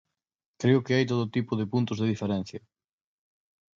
Creo que hay todo tipo de puntos de diferencia".